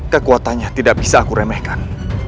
kekuatannya tidak bisa aku remehkan